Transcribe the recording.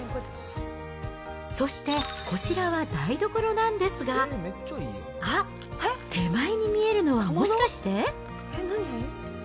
そして、こちらは台所なんですが、あっ、手前に見えるのはもしかして？